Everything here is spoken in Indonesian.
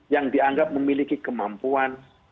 yang dianggap memiliki kemampuan